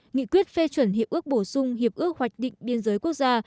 nghị quyết phê chuẩn hiệp ước bổ sung hiệp ước hoạch định biên giới quốc gia